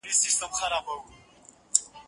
زه به د کتابتوننۍ سره خبري کړي وي،